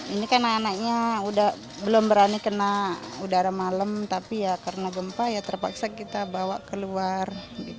ini kan anak anaknya belum berani kena udara malam tapi ya karena gempa ya terpaksa kita bawa keluar